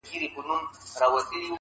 نه حیا له رقیبانو نه سیالانو!.